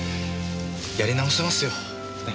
やり直せますよ。ね？